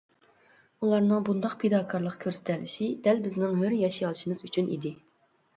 ئۇلارنىڭ بۇنداق پىداكارلىق كۆرسىتەلىشى دەل بىزنىڭ ھۆر ياشىيالىشىمىز ئۈچۈن ئىدى.